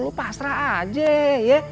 lu pasrah aja ya